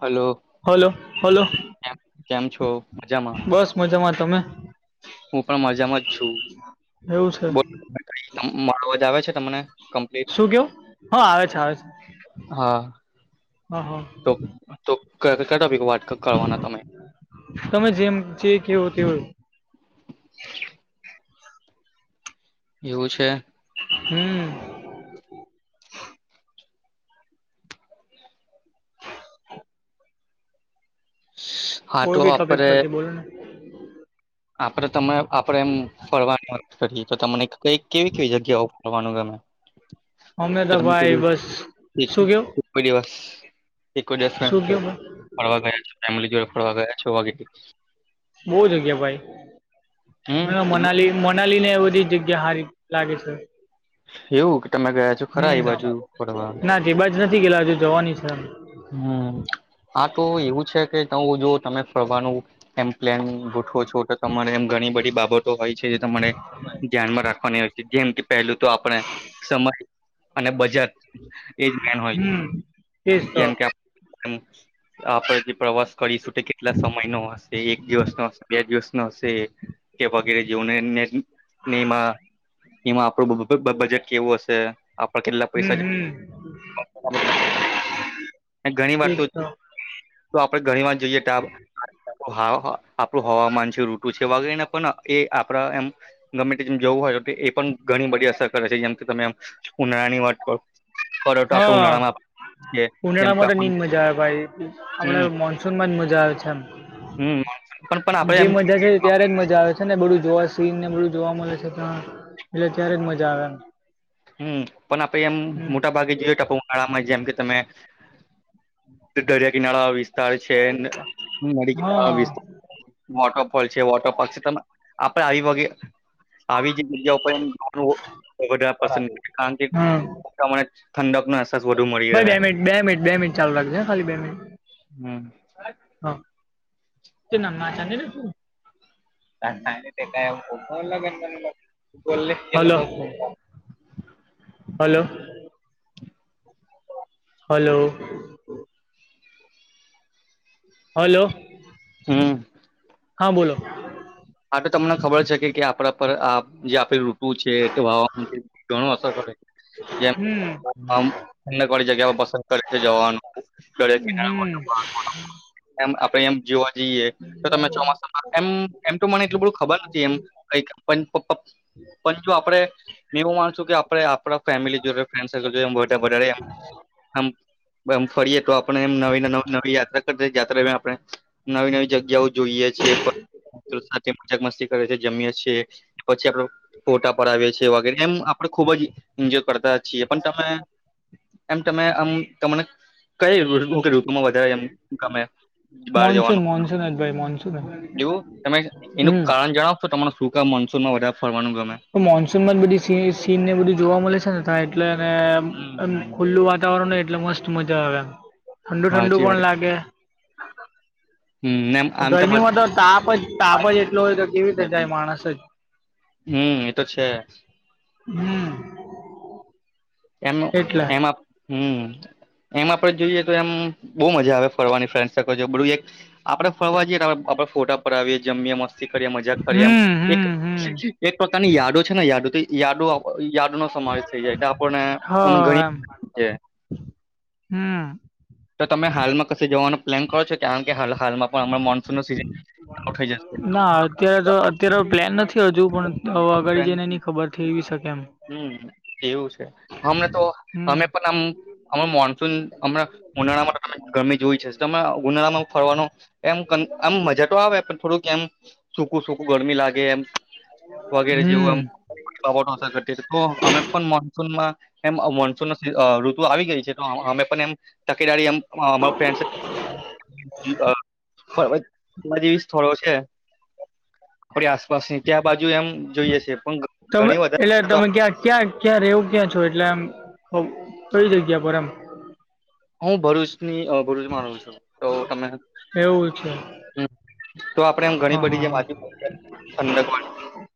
Hello hello hello કેમ કેમ છો મજામાં બસ મજામાં. તમે. હું પણ મજામાં જ છુંજ એવું છે આવે છે તમને. કમ્પ્લીટ શું કેવું હા આવે છે આવે છે હા હા હા. કર. તમે જેમ જે કેવો તે હોય. [inaudible] એવું છે. હું હા તો કોઈ બી ટોપિક આપડે પરથી બોલો ને. આપડે તમે આપડે એમ ફરવાનું વાત કરીએ તો તમને ક કેવી કેવી જગ્યાઓ. અમે તો ભાઈ બસ શું કેવું [unintelligible] કોઈ દિવસ. એક જ શું કેવું ભાઈ ફરવા ગયા ફમ જોડ ફરવા ગયા છો વાગે. બહ જગ્યા હમ એવું ભાઈ મનાલી ના લ ને એ બધી જગ્યા હારી લાગે છે. એવું કે તમે ગયા છો હમ ખરા એ બાજુ ફરવા ના જે બાજ નથી ગેલા હજુ જવાની છે. હમ આ તો એવું છે કે જો તમે ફરવાનું એમ. પ્લાન ગોઠવો છો તો તમારે એમ ઘણી બધી બાબતો હોય છે જે તમારે ધ્યાનમાં રાખવાની હોય છે. જેમ કે પહેલું તો આપણે સમય અને બજાર. હમ એસ તો. હમ્મ. આપણે જે પ્રવાસ કરીશું તો કેટલા સમય નો હશે એક દિવસ નો હશે બે દિવસ નો હશે. કે વગેરે જેવુ ને નેમા એમા આપડું બ બ બજેટ કેવું હશે આપણા કેટલા પૈસા હમ હમ ઘણી વાર તો આપણે ઘણી વાર જોઈએ હા હા આપણું હવામાન છે ઋતુ છે વગરને પણ એ આપડા એમ ગમે તેેમ જવું હોય એ પણ ઘણી બધી અસર કરે છે જેમ કે તમે ઉનાળાની વાત કરો પરોટો તાપ તો હા ઉનાળામાં છે. ઉનાળામાં તો ની જ મજા આવે ભાઈ આપડે હમ મોનસૂનમાં જ મજા આવે છે એમ હમ પણ પણ આપડે જે એમ મજા છે ત્યારે જ મજા આવે છે ને બધું જોવાશે સીન ને બધું જોવા મલેે છે તા એટલે ત્યારે જ મજા આવે એમ હમ પણ આપણે એમ હમ મોટા ભાગે જીયે તો આપણે ઉનાળામાં જેમ કે તમે દરિયા કિનારા વાળા વસિતાળ છે ને હા વિસ્તાર વોટરફોલ છે વોટર પાર્ક છે તમે આપડે આવી વાગે આવી જે જગ્યા પસંદ કારણકે હમ. ઠંડક નો અહેસાસ વધુ મળી ભાઈ રહે બે મિનટ બે મિનિટ બે મિનિટ ચાલુ રાખજે હે ખાલી બે મિનિટ હમ હ તે [unintelligible] [inaudible] બોલની હલો હલો હલો હલો હમમ હા બોલો આ તો તમને ખબર છે કે કે આપણા પર આ જે આપડી ઋતુ છે તે હવામાન છે ઘણું અસર કરે જેમ હમ હમ પસંદ જવાનું આપડે એમ જોવા જઈએ તમે ચોમાસામાં એમ એમ તો મને એટલું બધું ખબર નથી પણ જો આપડે મે એવું માનું શું કે આપડે આપણા ફેમિલી જોડે ફ્રેન્ડ સર્કલ જોડે ફરીએ તો પણ એમ નવી નવી નવી યાત્રા કરતા જતે આપણે નવી નવી જગ્યાઓ જોઈએ છીએ સાથે મજક મસ્તી કરે છે. જમીએ છીએ પછી આપણે ફોટા પડાવ્યે છીએ વગેરે એમ આપડે ખુબ જ એન્જોય કરતા છીએ એ પણ તમેં [inaudible] એમ તમે આમ તમને કઈ વધારે એમ ગમે બહાર મોનસૂન જવાનું મોનસૂન જ ભાઈ મોનસૂન જ એવું તમે એનું હમ કારણ જણાવ છો તમારે શું કામ મનસૂનમાં વધારે ફરવાનું ગમે તો મોન્સૂન માં બધી સી સીન ને બધું જોવા મલે છે ને એટલે એમ હમ ખુલ્લું વાતાવરણ હોય એટલે મસ્ત મજા આવે એમ ઠંડુ ઠંડુ સાચી વાત પણ લાગે હમ એમ આમ ગરમીમાં તો તાપ જ તાપ જ એટલો હોય તો કેવી રીતે જાય માણસ જ હમ એતો છે. હમ એમનું એટલે એમાં હમ [inaudible] એમ આપડે જોઈએ તો એમ બહુ મજા આવે ફરવાની આપડે ફરવા જઈએ તો આપણે ફોટા પડાવ્યે જમીએ મસ્તી મજાક કરી એમ હમ એક હમ હમ એક પ્રકારની યાાડો છે ને યાદો તે યાદો યાદનો સમાવેશ થઈ જાય એટલે આપણને હ આમ એમ ગણી હમ તો તમે હાલમાં કશે જવાનો પ્લાન કરો છો કારણ કે હાલ હાલમાં પણ હ મોનસૂન ન સીઝન ના અત્યારે તો અત્યારે પ્લાન નથી હજુ પણ આગળ જઈ ને એની ખબર થઈ શકે એમ હમ એવું છે હમને તો હમ અમે પણ આમ મોનસૂન હમણાં ઉનાળામાં ત ગરમી જોવી છે તમે ઉનાળામાં ફરવાનો એમ ક આમ મજા તો આવે પણ થોડુંક એમ સૂકું સૂકું ગરમી લાગે એમ વગેરે જેવું હમ આમ બાબતો અસર કર તો અમે પણ મોનસૂનમાં એ મોનસૂન આ ઋતુ આવી ગઈ છે તો અમે પણ એમ તકેદારી એમ અમારા ફ્રેન્ડ સે આ પર્વતમાં જેવી સ્થળો છે. આપડી આસપાસની ત્યાં બાજુ એમ જોઈએ છે પણ ઘ તમે ઘણી વધારે એટલે તો તમે ક્યાં ક્યાં ક્યાં રવું ક્યાં છો એટલે આમ કઈ જગ્યા પર એમ. હું ભરૂચની ભરૂચમાં રહું છું તો તમે એવું છે હામ. હા હા. ઠંડક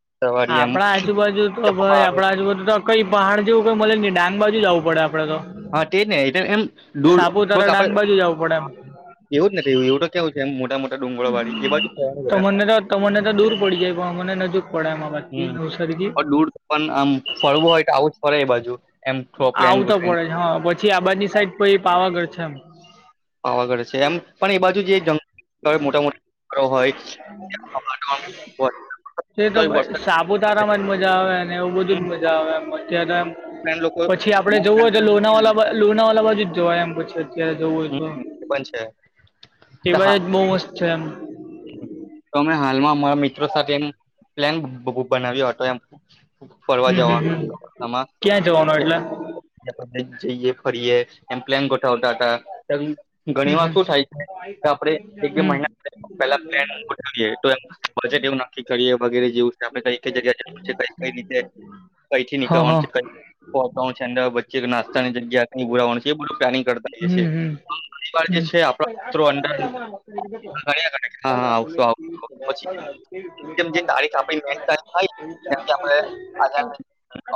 વાળી સવારી એમ આપડા આજુબાજુ તો ભાઈ પહાડ આપડા આજુબાજુ તો કઈ પહાડ જેવું કઈ મળે નહીં ડાંગ બાજુ જ આવું પડે અપ હા તેજને એટલે એમ દૂર થોડક સાપુતારા ડાંગ આપડે બાજુ જવું પડે એમ હા એવું જ નથી એવું તો કેવું છે આમ મોટ તમને તો તમને તો છે દૂર પડી જાય પણ અમને નજીક પડે એમાં બાકી હમ નવસારી દૂર પણ આમ ફરવું હોય તો આવું જ ફે એ બાજુ એમ થોડો પ્લેન આવતા ગોઠવીને પડે છે હા પછી આબાદની સાઈડ પ પાવાગઢ છે એમ આવાગળે છે એમ પણ એ બાજુ જે ત મોટામટી હો તે તો સાપુતારામાં જ મજા આવે ને એવું બધું હમ જ મજા આવે એમ મ તો એમ ફ્રેન્ડ લોકો પછી આપડે અમારા જવું હોય તો છે. લોનાવા લોનાવાલા બાજુ જોવાય એમ પછી અત્યારે જોવું હોય હમ તો એ પણ છે તો એવા જ હા બી મસ્ત છે આમ. તો મે હાલમાં અમારા મિત્રો સાથે એમ પ્લાન બનાવ્યો હતો એમ. ફરવા હમ જવા હમ હમ આમાં ક્યાં જવાનું જે એટલે [unintelligible] જઈએ. ફરીએ એમપ્લેન ગોઠાતાા હતા ત હમ ઘણી વાર હમ શું થાય છે કે આપડે એક બે હમ મહિના પેલા પ્લેન ગોઠવ્યે તો એમ બજેટ એવું નક્કી કરીએ વગેરે જેવ આપડે કઈ કઈ જગ્યાએ જાવું છે કઈ કઈ જ હમ્મ. કઈ થી નીકળવાનું છે કઈ પ પહોચવાનું અંદર જિજ્ઞાસા ની જગ્યા કઈ ઉભું રહેવાનું છે એ બધું પ્લાનિંગ કરતા છે હમ આમ હમ ઘણી વાર જે હમ છે આપડા મિત્રો અંદર [inaudible] [unintelligible] કર્યા કરે. હા હા આવશું આવશું પછી જેમ જે તારીખ આપણી મેન તારીખ થાય જેમ કે આપણે [inaudible] આજે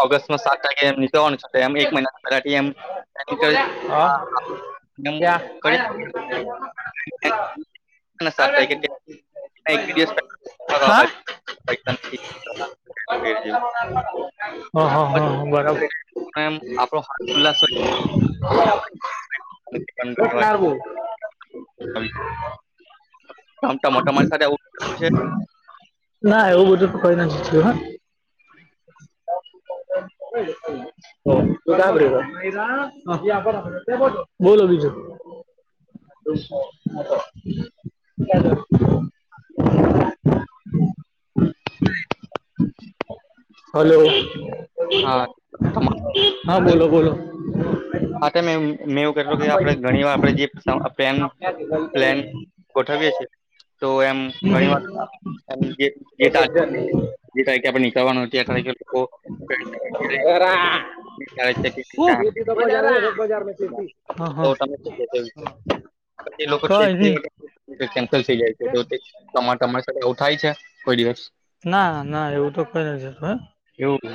ઓગસ્ટમાં સાત તારીખે નીકળવાનું છે એમ એક મહિના રખીએ એમ પ્લાનિંગ કર્યું હા હા. ક્યા [unintelligible] ના સાત તારીખે કે મેં એક ભી દિવસ કઈ હા હા [unintelligible] પછી સમજી [unintelligible] હા હા એમ આપણો હા હાથ ઉલ્લાસ હોય હ બરાબર. [inaudible] તમારી સાથે આવું થયું છે ના એવું બધું તો કોઈ નથી. કે હન બોલો બીજું. [inaudible] [inaudible] હલો. હા તમારું હા બોલો બોલો. હા તે મે મેં એવું કહ્તો કે આપડે ઘણી વાર આપે જે પ્લાન પ્લેન ગોઠવવી છે. તો એમ ઘણી હમ, વાર ત જે તારી જે તારીખે આપણે નીક જવાનું જે તારીખે કો [unintelligible] પા બજારમાં જે હતી હા હા. કેશો કઈ નહી એ છેન્લ થઈ જાય છે તમા. [unintelligible] થાય છે કોઈ દિવસ. ના ના એવું તો કોઈ ન જતું. એવું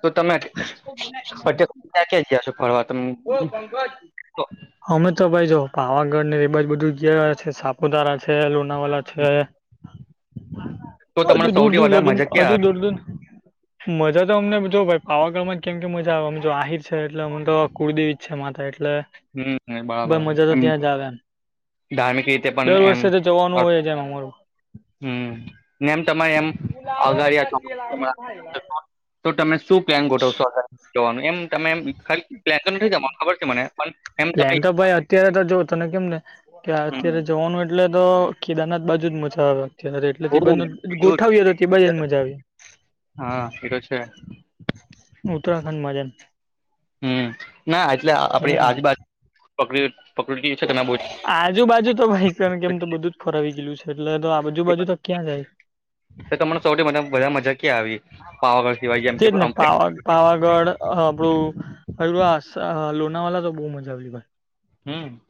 તો તમે અત્યાર સુધી ક્યાં ક્યાં ગયા છો ફરવા તમે [inaudible] ઓ પંકજ. તો અમે તો ભાઈ જો. પાવાગઢ ને એ બાજ બધું જયા છે સાપુતારા છે, લોનાવાલા છે. તો તમને હજુ દૂર સૌથી દૂર વધારે મજા લગીને ક્યાં હજુ આવી દૂર દૂર. મજા તો અમને જો ભાઈ પાવાગા માં જ કેમ કે મજા આવે આમ આહિર છે એટલે અમ તો કુળદેવી જ છે માતા એટલે. હમ એટલે બરાબર બ મજા તો એમ ત્યાં જ આવે એમ. ધાર્મિક રીતે પણ દર એમ. વર્ષે તો જવાનું હોય જ એમ અમારું હમ ને એમ તમારે એમ અગાડ્યા છો તો તમે. [unintelligible] શું પ્લાન ગોઠવશો હવે જવાનું એમ તમે ખાલી પ્લાન તો નથી જવાનું ખબર છે મને પણ એમ તમે પ્લેન તો ભાઈ અત્યારે તો જોવ તને કેમ ને કે અત્યારે જવાનું એટલે તો કેદારનાથ બાજુ જ મજા આવે. [unintelligible] એટલે તે બાજુનો ગોઠવીએ તો બાજુ જ મજા આવે. હા એ તો છે. ઉત્તરાખંડમાં જેમ. હમ ના એટલે આપડી હમ આજુ બાાજુક પ્રકૃતિ છે તમે. આજુ બાાજુ તો ભાઈ સરણ કેમ તો બધું જ ફરવી ગયલું છે એટલે તો આજુ બાાજુ તો ક્યાં જાય. તમન સૌથીા વધાર મજા ક્યાં આવી પાવાગઢ સિવાય જેમ કે આપું લોનાવાલા તો બહુ મજા આવેલી ભાઈ. હમ.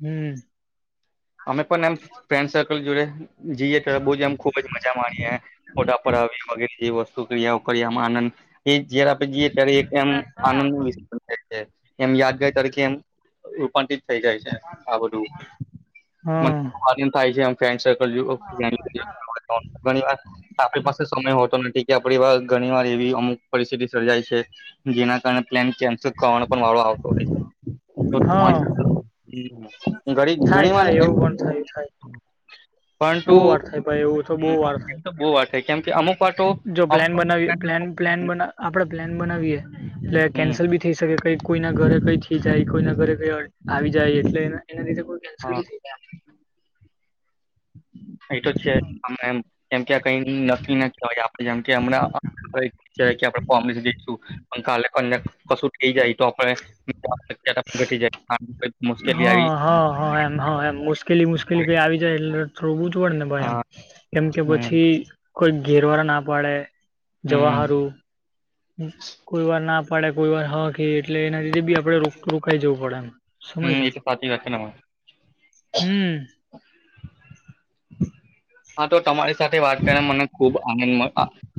હમ્મ. અમે પણ એમ ફ્રેન્ડ સર્કલ જોડે. જીએ ત બોવ જ આમ ખુબ જ મજા માણીએ ફોટા પડાવી એ વગેરે જે શુક્રિયા ઉક્રિયામાં આનંદ. એ જયા [unintelligible] રે આપે જઈએ ત્યારે એક એમ આનંદ ન વિાય છે એમ યાદાય તકે એમ. રૂપાંતિત થઈ જાય છે આ બધું મન હા આનંદ થાય છેમ ફન્ડ ઘણી વાર આપણી પાસે સમય હોતો નથી. કેણી વાર ઘણી વાર એવી અમુક પરિસ્થિતિ સર્જાય છે જેના કારણે પ્લાન કેન્સલ કરવાનો પણ વાળો આવે આવતો હોય છે. હા થાય ઘણી વાર થાય એમ એવું પણ થાય થાય. પરંતુ બોવ વાર થાય ભાઈ એવું તો બોવ વાર એમ તો બહુ વાર કેમ કે અમુક વાર તો થાય જો અમુક પ્લાન અમુક બનાવી પ્ન લોકો પ્લાન બ આપડે પ્લાન બનાવીયએ. એટલે હમ કેન્સલ બી થઈ શકે કઈ કોઈ ના ઘરે કઈ થઈ જાય કોઈ ના ઘરે કઈ આવી જાય એટલેને. એના લીધે કોઈ કેન્સલ હા બી થઈ જાય. એ તો છે. જેમકે આ કઈ નક્કી ના [unintelligible] હોય આપ જેમમણામસઈશું. કાલે કન્યા કશું થઈ જાય તો આપ ઘટી જાય. મુશ્કેલી હા આવી હા હા એમ હ એમ મુશ્કેલી મુશ્કેલી કઈ આવી જાય એટલે થોડું ને ભાઈ એમ હા કેમ કે હમ પછી. કોઈ ઘેરવાળા ના પાડે હમ જવાહારું કોઈ વાર ના પાડ્યા કોઈ વાર હા કે એટલે એના જે બી આપડે રો રોકાય જવું પડે એમ હમ સમયસર એ તો સાચી વાત છે તમારી હમ્મ. હા તો તમારી સાથે વાત કરીને મને ખુબ આનંદ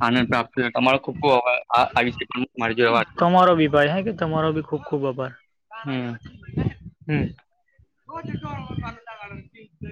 આનંદ પ્રાપ્ત તમારો ખુબ ખૂબ આભાર આ આવી છે. [unintelligible] તમારો ભી ભાઈ હે કે તમારો ભી ખુબ ખુબ આભાર હમ હમ્મ. [inaudible]